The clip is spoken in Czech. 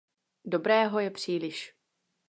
Dobrého je příliš.